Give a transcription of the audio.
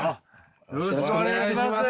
よろしくお願いします。